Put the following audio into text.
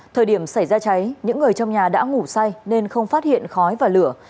thời điểm xảy ra cháy những người trong nhà đã ngủ say nên không phát hiện khói và lửa